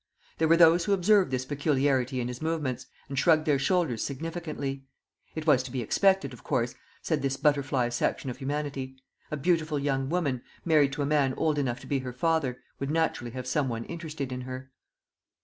There were those who observed this peculiarity in his movements, and shrugged their shoulders significantly. It was to be expected, of course, said this butterfly section of humanity: a beautiful young woman, married to a man old enough to be her father, would naturally have some one interested in her.